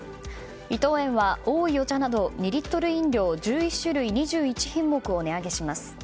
伊藤園はおいお茶など２リットル飲料１１種類２１品目を値上げします。